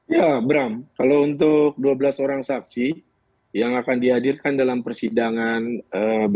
ya bram kalau untuk dua belas orang saksi yang akan dihadirkan dalam persidangan besok